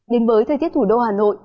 đến với thời tiết thủ đô hà nội